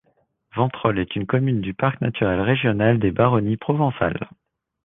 Venterol est une commune du parc naturel régional des Baronnies provençales.